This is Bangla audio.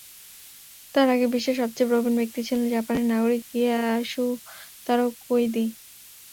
তাঁর আগে বিশ্বের সবচেয়ে প্রবীণ ব্যক্তি ছিলেন জাপানের নাগরিক ইয়াসুতারো কোইদি।